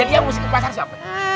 jadi yang mesti ke pasar siapa